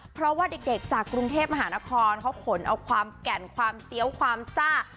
เพราะว่าเด็กจากกรุงเทพมหานครเขาขนเอาความแก่นความเซี้ยวความซ่า